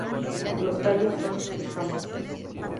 Los tallos son escamosos.